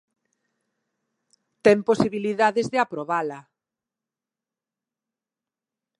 Ten posibilidades de aprobala.